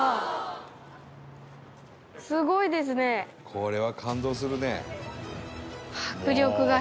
「これは感動するね」